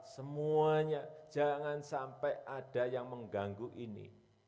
semuanya jangan sampai ada yang mengganggu ini